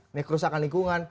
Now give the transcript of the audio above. ini kerusakan lingkungan